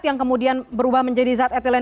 yang kemudian berubah menjadi zat etilen